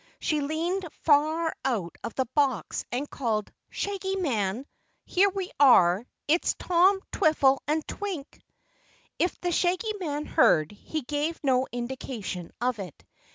She leaned far out of the box and called "Shaggy Man! Here we are it's Tom, Twiffle, and Twink!" If the Shaggy Man heard, he gave no indication of it.